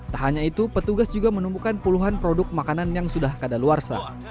tak hanya itu petugas juga menemukan puluhan produk makanan yang sudah kadaluarsa